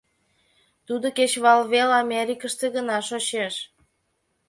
Тудо Кечывалвел Америкыште гына шочеш.